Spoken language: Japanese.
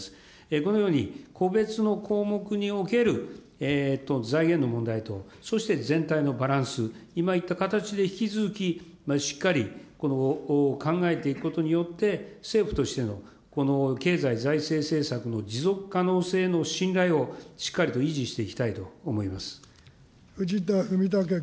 このように、個別の項目における財源の問題と、そして全体のバランス、今言った形で、引き続きしっかり考えていくことによって、政府としての経済財政政策の持続可能性の信頼をしっかりと維持し藤田文武君。